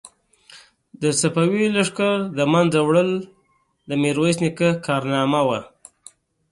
د صفوي لښکر له منځه وړل د میرویس نیکه کارنامه وه.